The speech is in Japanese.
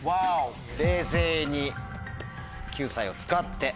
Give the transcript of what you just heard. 冷静に救済を使って。